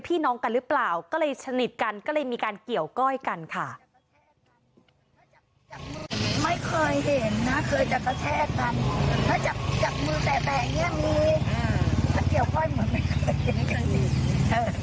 ถ้าจับมือแปะแปะอย่างนี้จะเกี่ยวค่อยเหมือนไม่เคยเห็น